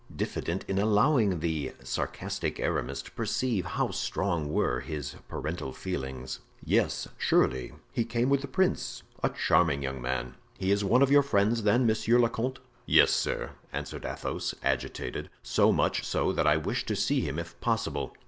diffident in allowing the sarcastic Aramis to perceive how strong were his paternal feelings. "Yes, surely, he came with the prince; a charming young man; he is one of your friends then, monsieur le comte?" "Yes, sir," answered Athos, agitated; "so much so that I wish to see him if possible."